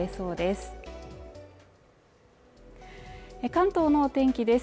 関東のお天気です